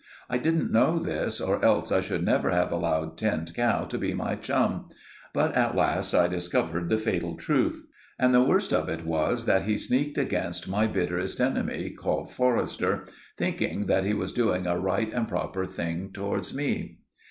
I didn't know this, or else I should never have allowed Tinned Cow to be my chum, but at last I discovered the fatal truth; and the worst of it was that he sneaked against my bitterest enemy, called Forrester, thinking that he was doing a right and proper thing towards me.